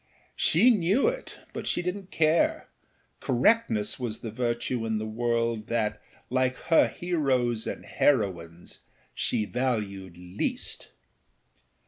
She knew it, but she didnât care; correctness was the virtue in the world that, like her heroes and heroines, she valued least.